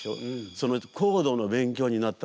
そのコードの勉強になった。